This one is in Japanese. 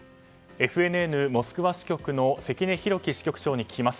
ＦＮＮモスクワ支局の関根弘貴支局長に聞きます。